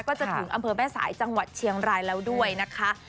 ก็จะถึงอำเภอแม่สายจังหวัดเชียงรายแล้วด้วยนะคะ